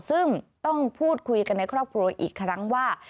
ซึ่งต้องพูดคุยกันในครอบครัวอีกครั้งว่า